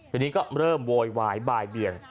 ทีนี้ก็เริ่มโวยวายบ่ายเบียง